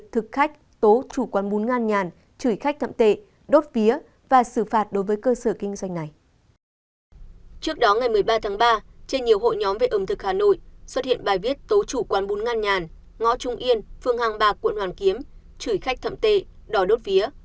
trước đó ngày một mươi ba tháng ba trên nhiều hội nhóm về ẩm thực hà nội xuất hiện bài viết tố chủ quán bún ngăn nhàn ngõ trung yên phường hàng bạc quận hoàn kiếm chửi khách thậm tệ đỏ đốt phía